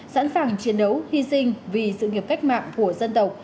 sẵn sàng chiến đấu hy sinh vì sự nghiệp cách mạng của dân tộc